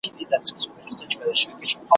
خو چي وګورم څلور پښې مي نازکي ,